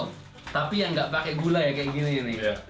apel tapi yang nggak pakai gula ya kayak gini